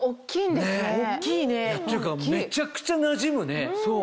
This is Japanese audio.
っていうかめちゃくちゃなじむね。